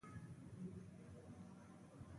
Most have played in the Florida State League.